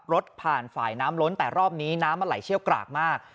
รถผ่านฝ่ายน้ำล้นแต่รอบนี้น้ำมันไหลเชี่ยวกรากมาก